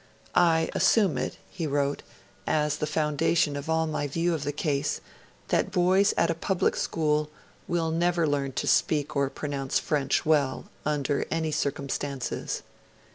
'I assume it,' he wrote, 'as the foundation of all my view of the case, that boys at a public school never will learn to speak or pronounce French well, under any circumstances.'